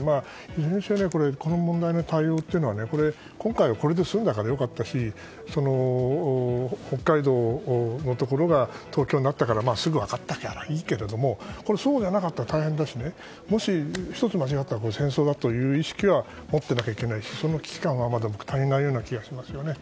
いずれにせよこの問題の対応というのは今回はこれで済んだから良かったし北海道のところが東京になったからすぐに分かったからいいけれども、そうでなかったら大変だし、もし１つ間違えたら戦争だという意識は持っていないといけないしその危機感はまだ足りないような気がしますよね。